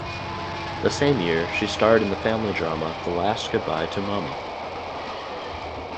The same year she starred in the family drama "The Last Goodbye to Mama".